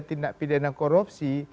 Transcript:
tindak pidana korupsi